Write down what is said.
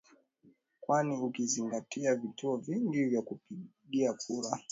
kwani ukizigatia vituo vingi vya kupigia kura